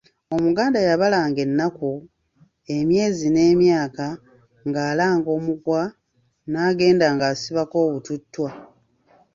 Omuganda yabalanga ennaku, emyezi n'emyaka nga alanga omuguwa n’agenda ngasibako obututtwa.